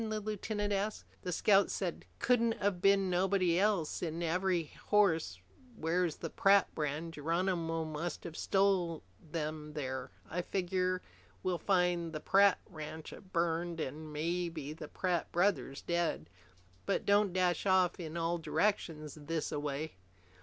the lieutenant asked. The scout said, "Couldn't of been nobody else, an' every horse wears the Pratt brand. Geronimo must of stole them there. I figure we'll find the Pratt ranch burned an' maybe the Pratt brothers dead. But don't dash off in all directions thisaway."